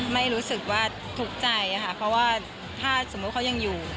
ไม่รู้สึกว่าทุกข์ใจค่ะเพราะว่าถ้าสมมุติเขายังอยู่